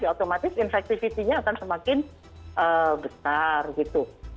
ya otomatis infectivity nya akan semakin besar gitu